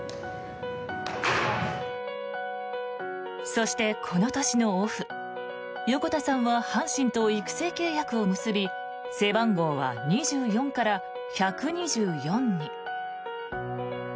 そして、この年のオフ横田さんは阪神と育成契約を結び背番号は２４から１２４に。